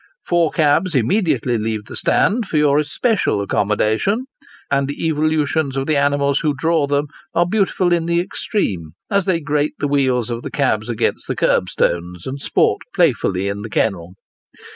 Four cabs immediately leave the stand, for your especial accommodation ; and the evolutions of the animals who draw them, are beautiful in the extreme, as they grate the wheels of the cabs against the curb stones, and sport playfully in the kennel.